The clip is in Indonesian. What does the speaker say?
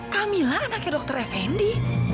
kamila anaknya dokter effendi